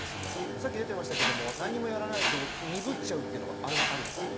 さっき出てましたけどもなんにもやらないと鈍っちゃうっていうのはあれはあるんですか？